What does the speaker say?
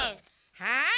はい！